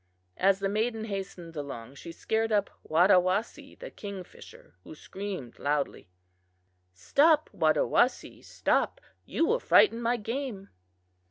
As the maiden hastened along she scared up Wadawasee, the kingfisher, who screamed loudly. "'Stop, Wadawasee, stop you will frighten my game!